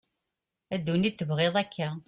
a dunit tebγiḍ akka